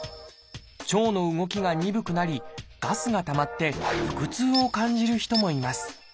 腸の動きが鈍くなりガスがたまって腹痛を感じる人もいます。